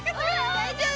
大丈夫？